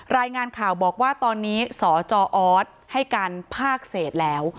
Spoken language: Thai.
รายงานข่าวบอกว่าตอนนี้สจออสให้การภาคเศษแล้ว